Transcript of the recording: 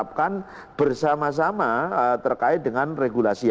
untuk datang berpartisipasi menggunakan hak pilih pada saat hari pemungutan suara